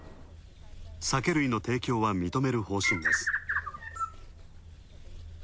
酒類の提供は認める方針です。